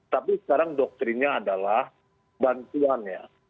tapi sekarang doktrinnya adalah bantuannya